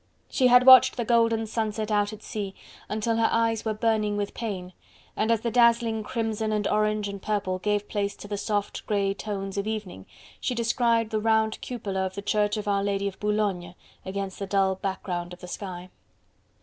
She had watched the golden sunset out at sea until her eyes were burning with pain, and as the dazzling crimson and orange and purple gave place to the soft grey tones of evening, she descried the round cupola of the church of Our Lady of Boulogne against the dull background of the sky.